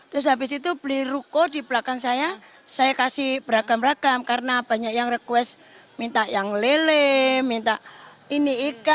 terus habis itu beli ruko di belakang saya saya kasih beragam ragam karena banyak yang request minta yang lele minta ini ikan